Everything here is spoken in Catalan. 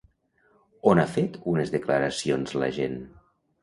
On ha fet unes declaracions l'agent?